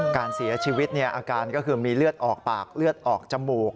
การเสียชีวิตอาการก็คือมีเลือดออกปากเลือดออกจมูก